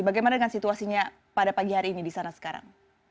bagaimana dengan situasinya pada pagi hari ini di sana sekarang